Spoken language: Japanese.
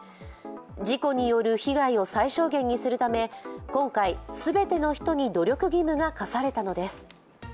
事故による被害を最小限にするため今回、全ての人に努力義務が課されたのです。